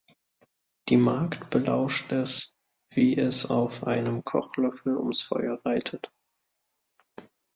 Die Magd belauscht es, wie es auf einem Kochlöffel ums Feuer reitet.